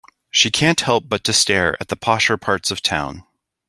She can't help but to stare at the posher parts of town.